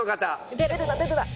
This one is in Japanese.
出るな出るな。